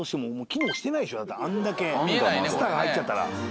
あんだけツタが入っちゃったら。